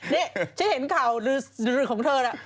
นี่เมื่อฆื่นถึงขอบพี่